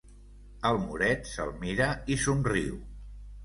El moret se'l mira i somriu.